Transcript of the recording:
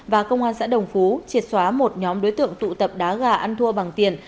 và công an xã đồng phú triệt xóa một nhóm đối tượng tụ tập đá gà ăn thua bằng tiền